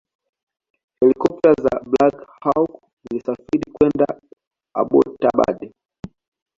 helikopta za Black Hawk zilisafiri kwenda Abbottabad